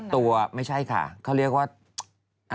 ตัวไม่ใช่ค่ะเขาเรียกว่า